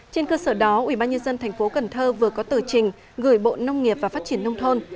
trên cơ sở đó ubnd thành phố cần thơ vừa có tử trình gửi bộ nông nghiệp và phát triển nông thôn